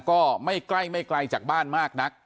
ก็ไม่ใกล้ไม่ไกลจากบ้านมากนัก